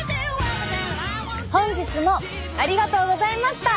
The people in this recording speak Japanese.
本日もありがとうございました。